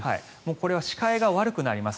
これは視界が悪くなります。